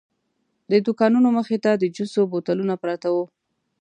د دوکانونو مخې ته د جوسو بوتلونه پراته وو.